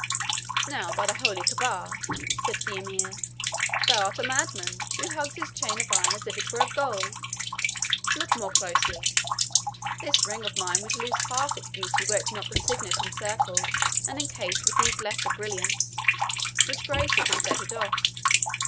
"Now, by the Holy Caaba," said the Emir, "thou art a madman who hugs his chain of iron as if it were of gold! Look more closely. This ring of mine would lose half its beauty were not the signet encircled and enchased with these lesser brilliants, which grace it and set it off.